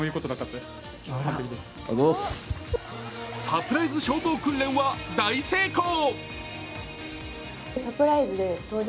サプライズ消防訓練は大成功。